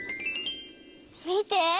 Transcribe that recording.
見て！